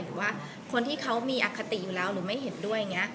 หรือว่าคนที่เขามีอคติอยู่แล้วหรือไม่เห็นด้วยอย่างนี้